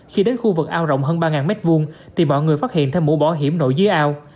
khi đến khu vực ao rộng hơn ba m hai thì bọn người phát hiện thêm mũ bỏ hiểm nổi dưới ao